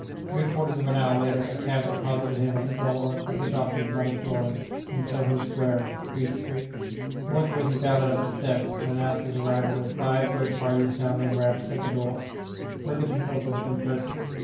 Three quarters of an hour later a cab deposited him at the door of the doctor's modest dwelling, in Soho Square, Greek Street. Forthwith he bounded up the steps and announced his arrival with five good, hearty, sounding raps at the door. Ferguson opened, in person.